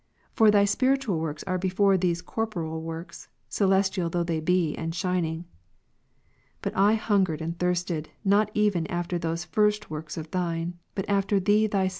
For Thy spiritual works are before these corporeal works, celestial though they be, and shining. But I hungered and thirsted not even after those first works of Thine, but after Thee Thy Jam.